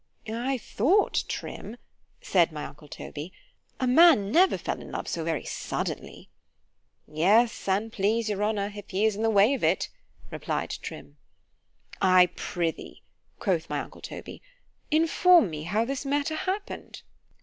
I thought, Trim, said my uncle Toby, a man never fell in love so very suddenly. Yes, an' please your honour, if he is in the way of it——replied Trim. I prithee, quoth my uncle Toby, inform me how this matter happened.